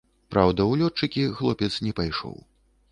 Праўда, у лётчыкі хлопец не пайшоў.